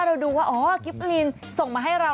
เราดูว่าอ๋อกิฟต์ลีนส่งมาให้เรา